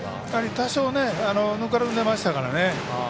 多少ぬかるんでいましたからね。